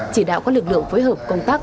chỉ đạo các lực lượng phối hợp công tác